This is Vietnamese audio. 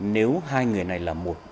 nếu hai người này là một